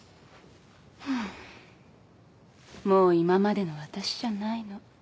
もう今までの私じゃないの。